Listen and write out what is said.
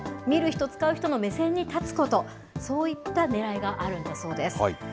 見る人、使う人の目線に立つこと、そういったねらいがあるんだそうです。